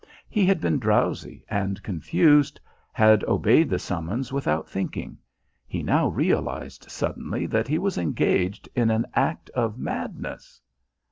He had been drowsy and confused, had obeyed the summons without thinking. He now realised suddenly that he was engaged in an act of madness.